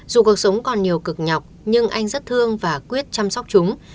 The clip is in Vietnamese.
dù cuộc sống còn nhiều cực nhọc nhưng anh rất thương và quyết chăm sóc chúng